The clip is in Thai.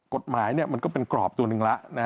กฎหมายมันก็เป็นกรอบตัวหนึ่งแล้ว